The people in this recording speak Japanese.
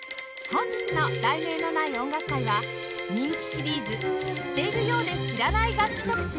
本日の『題名のない音楽会』は人気シリーズ知っているようで知らない楽器特集